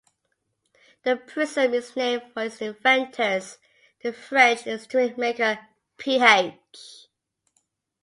The prism is named for its inventors, the French instrument maker Ph.